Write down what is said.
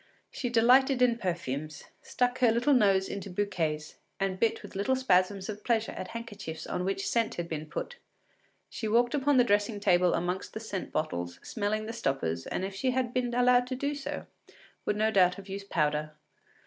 She delighted in perfumes, stuck her little nose into bouquets, and bit with little spasms of pleasure at handkerchiefs on which scent had been put; she walked upon the dressing table among the scent bottles, smelling the stoppers, and if she had been allowed to do so would no doubt have used powder.